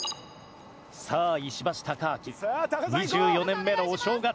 さあ石橋貴明２４年目のお正月。